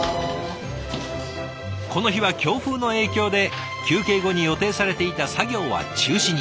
この日は強風の影響で休憩後に予定されていた作業は中止に。